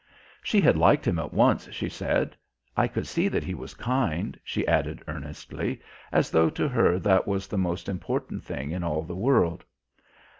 She had liked him at once, she said. "I could see that he was kind," she added earnestly, as though to her that was the most important thing in all the world.